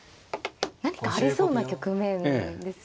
何かありそうな局面ですよね。